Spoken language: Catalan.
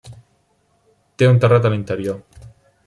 Té un terrat a l'interior.